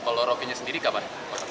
kalau rokinya sendiri kapan